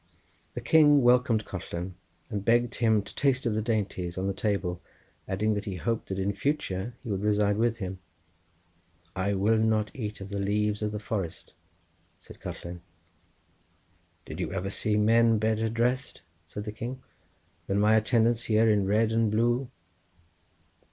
The king welcomed Collen, and begged him to taste of the dainties on the table, adding that he hoped that in future he would reside with him. "I will not eat of the leaves of the forest," said Collen. "Did you ever see men better dressed?" said the king, "than my attendants here in red and blue?"